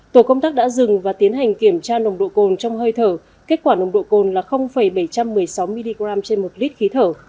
tổ công tác đã dừng và tiến hành kiểm tra nồng độ cồn trong hơi thở kết quả nồng độ cồn là bảy trăm một mươi sáu mg trên một lít khí thở